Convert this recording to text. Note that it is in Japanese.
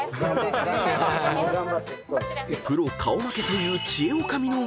［プロ顔負けという］